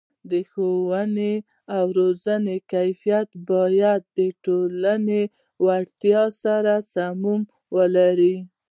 د ښوونې او روزنې کیفیت باید د ټولنې اړتیاو سره سمون ولري.